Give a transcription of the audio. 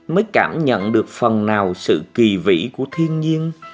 mới cảm nhận được phần nào sự kỳ vĩ của thiên nhiên